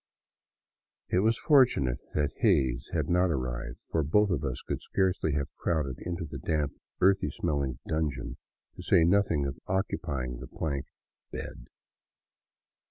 It was fortunate that Hays had not arrived, for both of us could scarcely have crowded into the damp, earthy smelling dungeon, to say nothing of occupying the plank " bed."